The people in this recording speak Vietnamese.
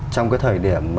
trong cái thời điểm